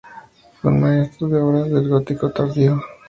Fue un maestro de obras del gótico tardío.